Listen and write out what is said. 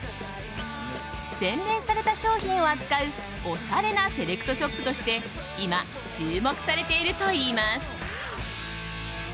洗練された商品を扱うおしゃれなセレクトショップとして今、注目されているといいます。